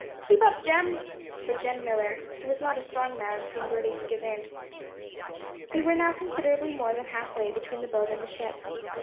Keep up, Jem!' For Jem Millar, who was not a strong man, seemed ready to give in. We were now considerably more than half way between the boat and the ship.